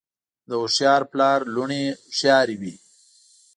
د هوښیار پلار لوڼه هوښیارې وي.